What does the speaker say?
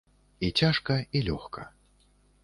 І цяжка і лёгка.